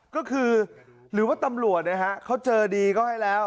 ก็คือหรือว่าตำรวจเนี้ยฮะเขาเจอดีเขาให้แล้ว